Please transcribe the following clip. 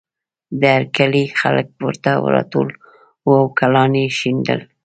د هر کلي خلک ورته راټول وو او ګلان یې شیندل